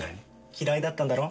嫌いだったんだろ？